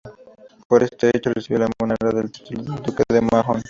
Por este hecho recibió del monarca el título de duque de Mahón.